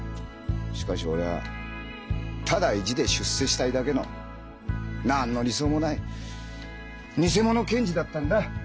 しかし俺はただ意地で出世したいだけの何の理想もない偽物検事だったんだ。